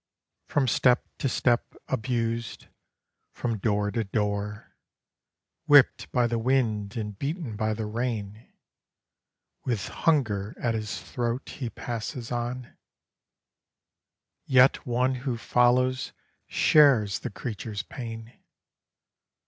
From step to step abused, from door to door, Whipped by the wind, and beaten by the rain, With hunger at his throat, he passes on; Yet one who follows shares the creature's pain.